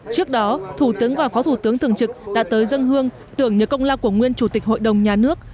trước đó thủ tướng và phó thủ tướng thường trực đã tới dân hương tưởng nhớ công lao của nguyên chủ tịch hội đồng nhà nước